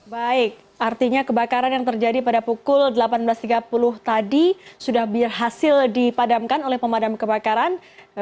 baik artinya kebakaran yang terjadi pada pukul delapan belas tiga puluh tadi sudah berhasil dipadamkan oleh pemadam kebakaran